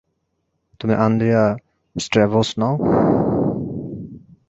তুমি Andrea Stavros নও?